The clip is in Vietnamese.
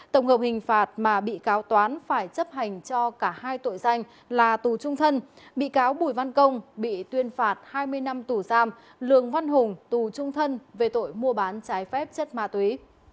tổng hợp hình phạt mà bị cáo toán phải chấp hành cho cả hai tội danh là tù trung thân bị cáo bùi văn công bị tuyên phạt hai mươi năm tù giam lường văn hùng tù trung thân về tội mua bán trái phép chất ma túy